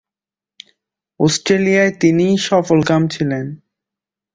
অস্ট্রেলিয়ায় তিনি সফলকাম ছিলেন।